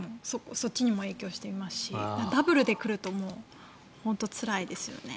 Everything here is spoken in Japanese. そっちにも影響していますしダブルで来ると本当につらいですよね。